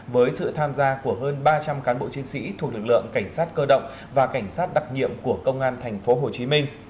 với sự tham gia của hơn ba trăm linh cán bộ chiến sĩ thuộc lực lượng cảnh sát cơ động và cảnh sát đặc nhiệm của công an tp hcm